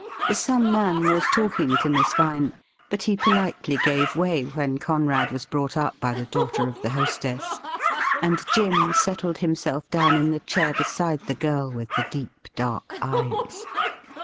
Some man was talking to Miss Vine, but he politely gave way when Conrad was brought up by the daughter of the hostess, and Jim settled himself down in the chair beside the girl with the deep, dark eyes.